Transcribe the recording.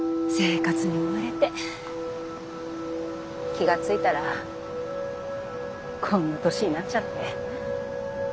気が付いたらこんな年になっちゃって。